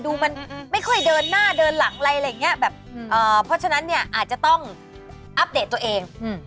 ดูมันไม่ค่อยเดินหน้าเดินหลังอะไรอะไรอย่างเงี้ยแบบเพราะฉะนั้นเนี่ยอาจจะต้องอัปเดตตัวเอง